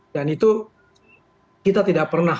dan itu kita tidak pernah